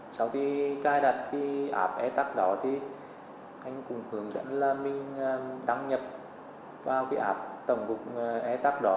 sau khi cài đặt ảp e tac đỏ anh cũng hướng dẫn là mình đăng nhập vào ảp tổng cục e tac đỏ